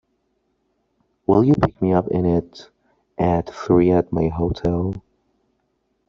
Will you pick me up in it at three at my hotel?